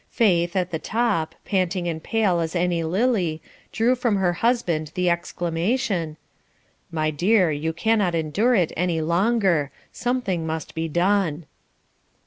Faith, at the top, panting and pale as any lily, drew from her husband the exclamation: "My dear, you cannot endure it any longer; something must be done."